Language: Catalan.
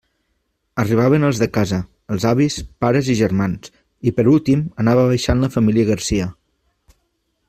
Arribaven els de casa: els avis, pares i germans, i per últim anava baixant la família Garcia.